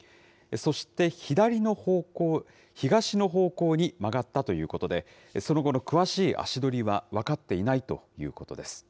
そして東の方向に曲がったということで、その後の詳しい足取りは分かっていないということです。